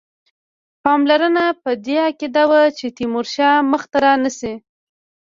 پالمر په دې عقیده وو چې تیمورشاه مخته رانه سي.